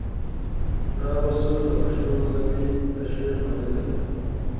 را به شو د پښتو ژبي د شعر نړۍ ته